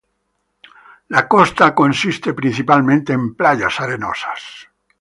La costa consiste principalmente en playas arenosas.